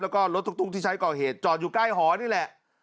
แล้วก็รถตุ๊กที่ใช้ก่อเหตุจอดอยู่ใกล้หอนี่แหละ